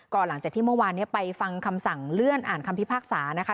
ก็หลังจากที่เมื่อวานนี้ไปฟังคำสั่งเลื่อนอ่านคำพิพากษานะคะ